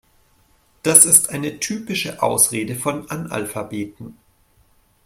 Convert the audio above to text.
Das ist eine typische Ausrede von Analphabeten.